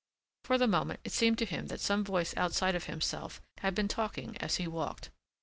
For the moment it seemed to him that some voice outside of himself had been talking as he walked.